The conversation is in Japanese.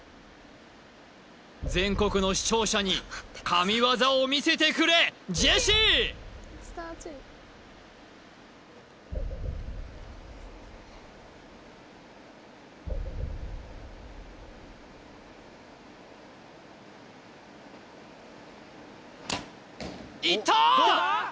全国の視聴者に神業を見せてくれジェシーいった！